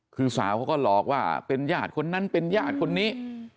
คือสาวเขาก็หลอกว่าเป็นญาติคนนั้นเป็นญาติคนนี้